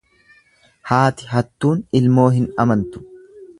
Haati hattuun ilmoo hin amantu.